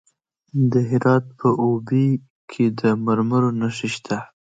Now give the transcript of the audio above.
د هرات په اوبې کې د مرمرو نښې شته.